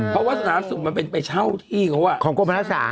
เพราะว่าสนามสุบมันเป็นไปเช่าที่ของกรปนักศึกษา